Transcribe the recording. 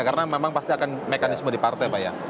karena memang pasti akan mekanisme di partai pak ya